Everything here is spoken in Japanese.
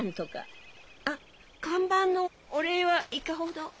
あっ看板のお礼はいかほど？